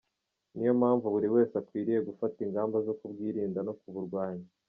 Ni yo mpamvu buri wese akwiriye gufata ingamba zo kubwirinda no kuburwanya.